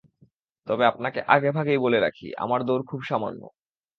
তবে আপনাকে আগেভাগেই বলে রাখি, আমার দৌড় খুব সামান্য।